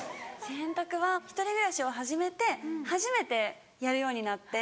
洗濯は１人暮らしを始めて初めてやるようになって。